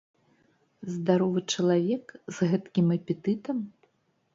Здаровы чалавек, з гэткім апетытам?